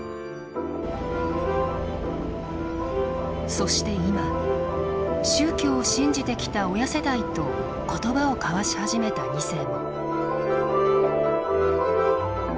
そして今宗教を信じてきた親世代と言葉を交わし始めた２世も。